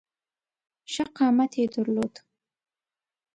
ښه قامت یې درلود.